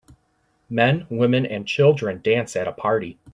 Men, women and children dance at a party.